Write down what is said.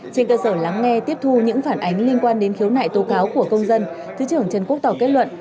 trên cơ sở lắng nghe tiếp thu những phản ánh liên quan đến khiếu nại tố cáo của công dân thứ trưởng trần quốc tỏ kết luận